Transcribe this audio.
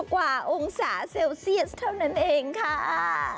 กว่าองศาเซลเซียสเท่านั้นเองค่ะ